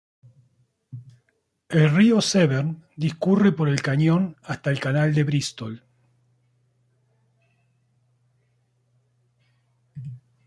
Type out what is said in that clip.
El río Severn discurre por el cañón hasta el canal de Bristol.